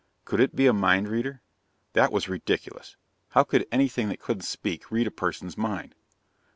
Could it be a mind reader? That was ridiculous. How could anything that couldn't speak read a person's mind?